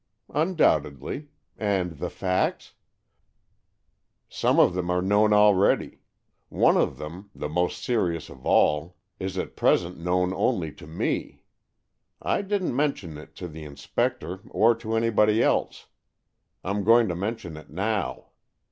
"Undoubtedly. And the facts?" " Some of them are known already. One of them — the most serious of all — is at present known only to me. I didn't mention it to the inspector, or to anybody else. I'm going to mention it now.